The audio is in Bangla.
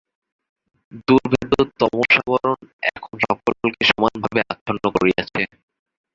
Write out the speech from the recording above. দুর্ভেদ্য তমসাবরণ এখন সকলকে সমানভাবে আচ্ছন্ন করিয়াছে।